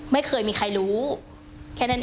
ไม่เคยมีใครรู้แค่นั้น